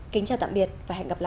kính chào tạm biệt và hẹn gặp lại